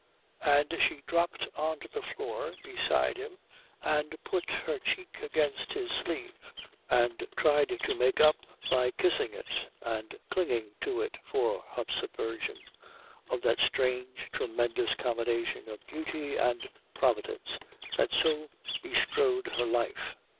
And she dropped on to the floor beside him and put her cheek against his sleeve and tried to make up by kissing it and clinging to it for her subversion of that strange tremendous combination of Duty and Providence that so bestrode her life.